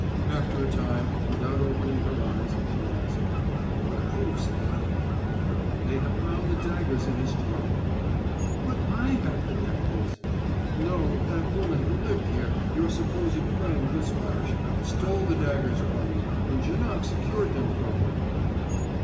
After a time, without opening her eyes, she asked: "What proofs have they?" "They have found the daggers in his trunk." "But I have the daggers!" "No, that woman who lived here, your supposed friend, Miss Marsh, stole the daggers from you, and Janoc secured them from her."